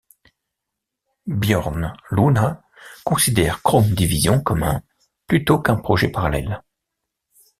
Björn Luna considère Chrome Division comme un plutôt qu'un projet parallèle.